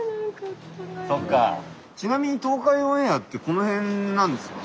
ちなみに東海オンエアってこの辺なんですよね。